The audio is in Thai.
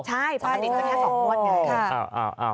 ใช่ประมาณนี้๒งวดไง